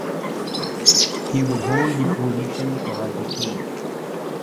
He would hold the position for a decade.